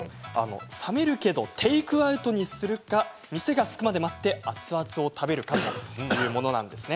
冷めるけどテイクアウトにするか店がすくまで待って熱々を食べるかというものです。